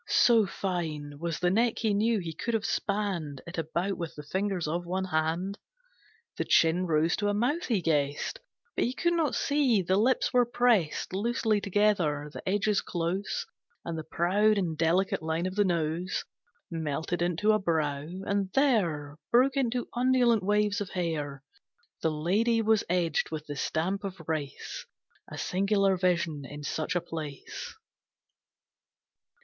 So fine Was the neck he knew he could have spanned It about with the fingers of one hand. The chin rose to a mouth he guessed, But could not see, the lips were pressed Loosely together, the edges close, And the proud and delicate line of the nose Melted into a brow, and there Broke into undulant waves of hair. The lady was edged with the stamp of race. A singular vision in such a place.